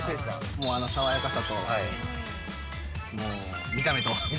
もうあの爽やかさと、もう、見た目と。